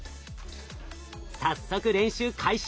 早速練習開始。